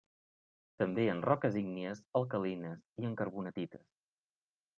També en roques ígnies alcalines i en carbonatites.